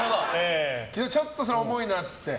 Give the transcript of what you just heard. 昨日、ちょっとそれ重いよって言ってね。